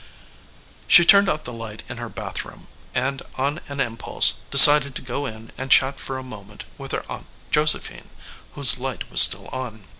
She turned out the light in her bathroom, and on an impulse decided to go in and chat for a moment with her aunt Josephine, whose light was still on.